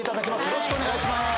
よろしくお願いします。